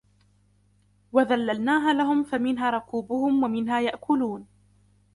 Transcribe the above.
وَذَلَّلْنَاهَا لَهُمْ فَمِنْهَا رَكُوبُهُمْ وَمِنْهَا يَأْكُلُونَ